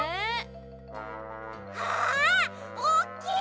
あおっきい！